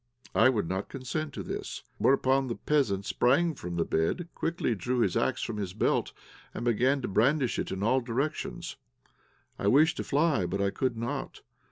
I would not consent to this. Whereupon the peasant sprang from the bed, quickly drew his axe from his belt, and began to brandish it in all directions. I wished to fly, but I could not.